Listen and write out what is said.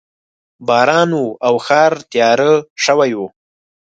باران و او ښار تیاره شوی و